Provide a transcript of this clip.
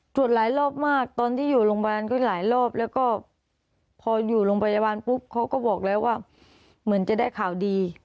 หลายรอบมากตอนที่อยู่โรงพยาบาลก็หลายรอบแล้วก็พออยู่โรงพยาบาลปุ๊บเขาก็บอกแล้วว่าเหมือนจะได้ข่าวดี